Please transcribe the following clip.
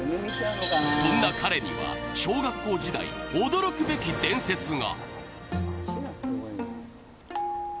そんな彼には小学校時代、驚くべき伝説が。